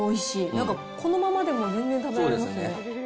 なんかこのままでも全然食べられますね。